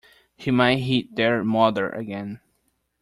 He might hit their mother again.